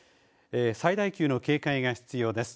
最大級の警戒が必要です。